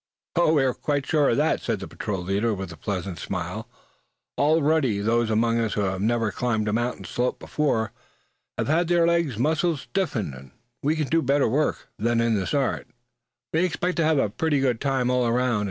"Oh! we're quite sure of that," said the patrol leader, with a pleasant smile. "Already those among us who had never climbed a mountain slope before, have had their leg muscles stiffened, and can do better work than in the start. We expect to have a pretty good time all around.